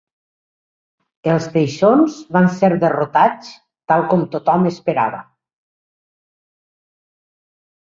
Els teixons van ser derrotats, tal com tothom esperava.